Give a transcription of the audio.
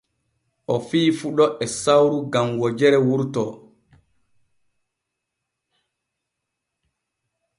O fiyi fuɗo e sawru gam wojere wurto.